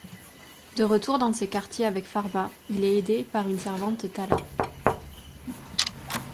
De retour dans ses quartiers avec Farmah, il est aidé par une servante Tala.